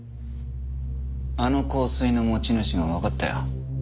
あの香水の持ち主もわかったよ。